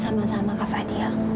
sama sama kak fadil